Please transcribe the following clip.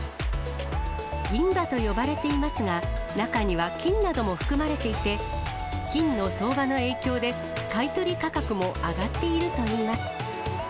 銀歯と呼ばれていますが、中には金なども含まれていて、金の相場の影響で買い取り価格も上がっているといいます。